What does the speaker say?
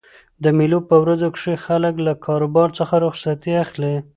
د مېلو په ورځو کښي خلک له کارو څخه رخصتي اخلي.